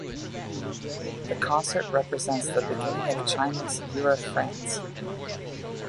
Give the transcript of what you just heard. The concert represents the beginning of China's "Year of France".